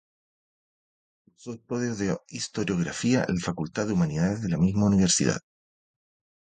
Cursó estudios de Historiografía en la Facultad de Humanidades de la misma universidad.